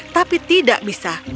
tapi tidak bisa